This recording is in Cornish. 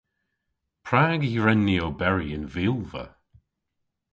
Prag y hwren ni oberi y'n vilva?